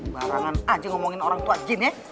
barangan aja ngomongin orang tua jin ya